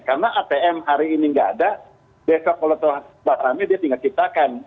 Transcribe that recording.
apm hari ini tidak ada besok kalau terlalu ramai dia tinggal kitakan